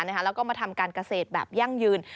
แล้วก็มาทำการเกษตรแบบยั่งยืน